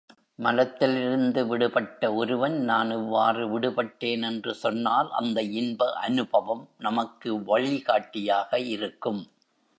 மலத்திலிருந்து விடுபட்ட ஒருவன் நான் இவ்வாறு விடுபட்டேன் என்று சொன்னால் அந்த இன்ப அநுபவம் நமக்கு வழிகாட்டியாக இருக்கும்.